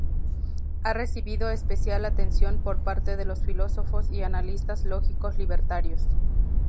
Ha recibido especial atención por parte de los filósofos y analistas lógicos libertarios.